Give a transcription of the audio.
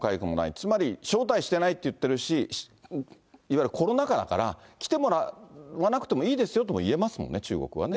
つまり招待してないって言ってるし、いわゆるコロナ禍だから来てもらわなくてもいいですよとも言えますもんね、中国はね。